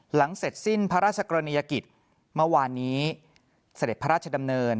เสร็จสิ้นพระราชกรณียกิจเมื่อวานนี้เสด็จพระราชดำเนิน